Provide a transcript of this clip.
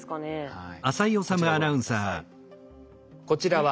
はい。